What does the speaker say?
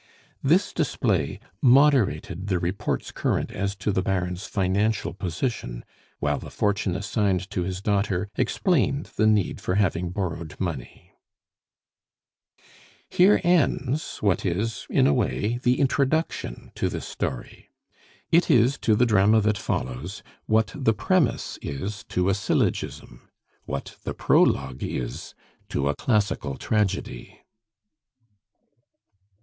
This display moderated the reports current as to the Baron's financial position, while the fortune assigned to his daughter explained the need for having borrowed money. Here ends what is, in a way, the introduction to this story. It is to the drama that follows that the premise is to a syllogism, what the prologue is to a classical tragedy.